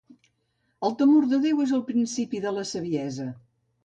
El temor de Déu és el principi de la saviesa.